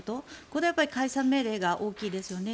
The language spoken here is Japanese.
これは解散命令が大きいですよね。